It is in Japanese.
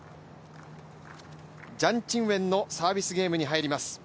ジャン・チンウェンのサービスゲームに入ります。